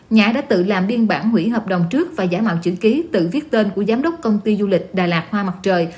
nhã đã tự làm biên bản hủy hợp đồng trước và giả mạo chữ ký tự viết tên của giám đốc công ty du lịch đà lạt hoa mặt trời